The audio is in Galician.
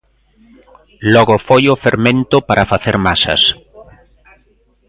Logo foi o fermento para facer masas.